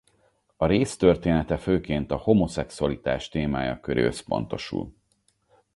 A rész története főként a homoszexualitás témája köré összpontosul.